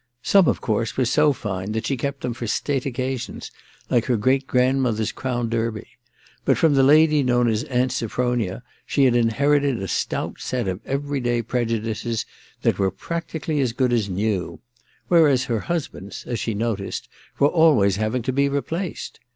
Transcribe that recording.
Some, of course, were so fine that she kept them for state occasions, like her I THE MISSION OF JANE 163 great grandmother's Crown Derby ; but from Sie lady known as Aunt Sophronia she had inherited a stout set of every day prejudices that were practically as good as new ; whereas her husband's, as she noticed, were always having to be replaced.